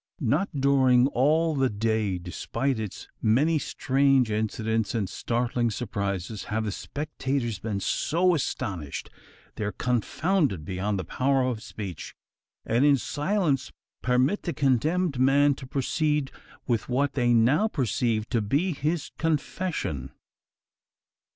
Not during all the day despite its many strange incidents and startling surprises have the spectators been so astonished. They are confounded beyond the power of speech; and in silence permit the condemned man to proceed, with what they now perceive to be his confession.